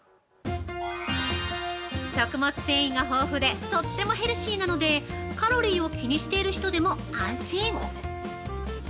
食物繊維が豊富でとってもヘルシーなのでカロリーを気にしている人でも安心！